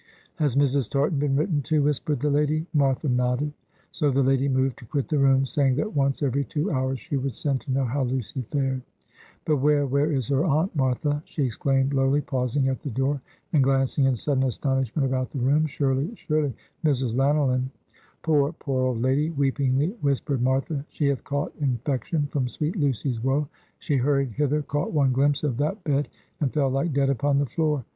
"Has Mrs. Tartan been written to?" whispered the lady. Martha nodded. So the lady moved to quit the room, saying that once every two hours she would send to know how Lucy fared. "But where, where is her aunt, Martha?" she exclaimed, lowly, pausing at the door, and glancing in sudden astonishment about the room; "surely, surely, Mrs. Lanyllyn " "Poor, poor old lady," weepingly whispered Martha, "she hath caught infection from sweet Lucy's woe; she hurried hither, caught one glimpse of that bed, and fell like dead upon the floor.